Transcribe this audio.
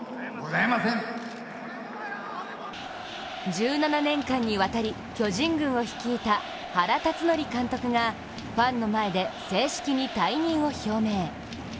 １７年間にわたり巨人軍を率いた原辰徳監督がファンの前で正式に退任を表明。